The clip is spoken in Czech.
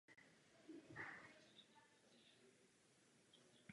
Další mikrokontroléry